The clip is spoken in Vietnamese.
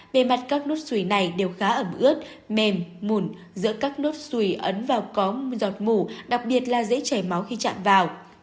bề mặt các nốt suối này đều khá ẩm ướt mềm mùn giữa các nốt suối ấn vào có giọt mù đặc biệt là dễ chảy máu khi chạm vào